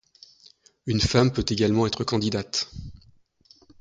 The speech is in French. Une femme peut également être candidate.